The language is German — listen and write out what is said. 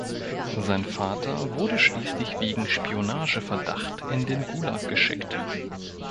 Sein Vater wurde schließlich wegen „Spionageverdacht“ in den Gulag geschickt.